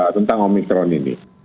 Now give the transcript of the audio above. tentang omicron ini